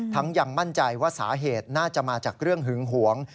ยังมั่นใจว่าสาเหตุน่าจะมาจากเรื่องหึงหวง